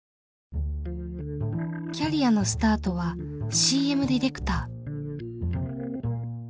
キャリアのスタートはＣＭディレクター。